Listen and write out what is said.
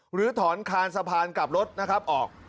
หรือถอนคานสะพานกลับรถนะครับออก